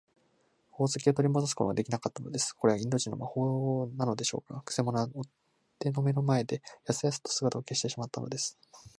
宝石をとりもどすこともできなかったのです。これがインド人の魔法なのでしょうか。くせ者は追っ手の目の前で、やすやすと姿を消してしまったのです。